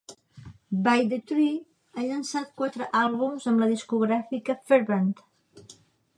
By the Tree ha llançat quatre àlbums amb la discogràfica Fervent.